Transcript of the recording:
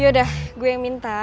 yaudah gue yang minta